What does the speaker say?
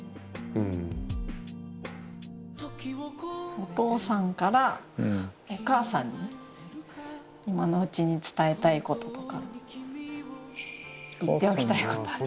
お父さんからお母さんに今のうちに伝えたいこととか言っておきたいことある？